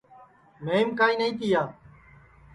مھیم کائیں نائی تِیا